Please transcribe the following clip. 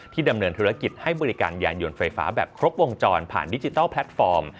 ดำเนินธุรกิจให้บริการยานยนต์ไฟฟ้าแบบครบวงจรผ่านดิจิทัลแพลตฟอร์ม